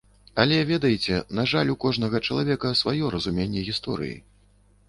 Але, ведаеце, на жаль, у кожнага чалавека сваё разуменне гісторыі.